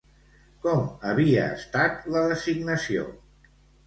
Com havia estat la designació?